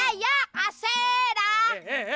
ya dah ya kasih dah